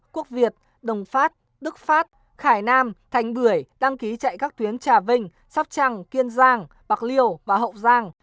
quốc việt đồng phát đức phát khải nam thành bưởi đăng ký chạy các tuyến trà vinh sắp trăng kiên giang bạc liều và hậu giang